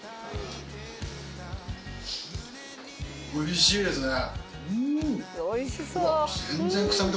おいしいですね！